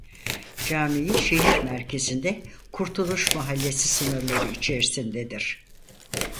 Camii şehir merkezinde Kurtuluş Mahallesi sınırları içerisindedir.